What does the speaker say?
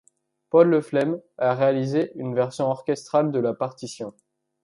Paul Le Flem a réalisé une version orchestrale de la partition.